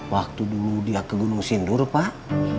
waktu dulu dia ke gunung sindur pak